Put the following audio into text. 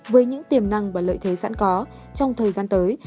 với những tiềm năng và lợi thế sẵn có trong thời gian tới